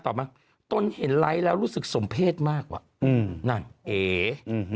นางตอบมาต้นเห็นไล้และรู้สึกสมเพศมากว่าอืมนั่นเอ๋อืม